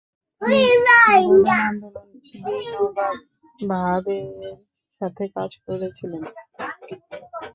তিনি ভোদন আন্দোলনে বিনোবা ভাভেয়ের সাথে কাজ করেছিলেন।